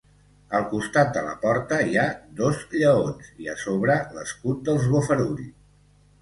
Al costat de la porta hi ha dos lleons i a sobre l'escut dels Bofarull.